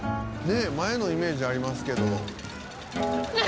「ねえ前のイメージありますけど」